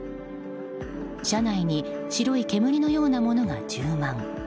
車内に白い煙のようなものが充満。